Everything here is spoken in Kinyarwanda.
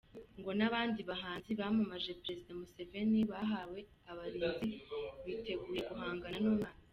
Ngo n’abandi bahanzi bamamaje Perezida Museveni bahawe abarinzi biteguye guhangana n’umwanzi.